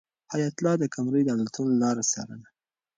حیات الله د قمرۍ د الوتلو لاره څارله.